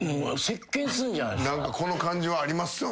この感じはありますよね。